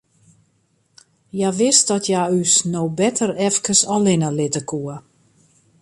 Hja wist dat hja ús no better efkes allinnich litte koe.